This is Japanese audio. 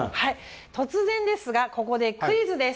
突然ですがここでクイズです。